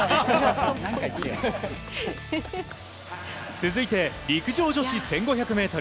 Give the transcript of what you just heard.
続いて陸上女子１５００ｍ。